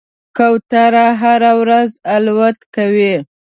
کوتره هره ورځ الوت کوي.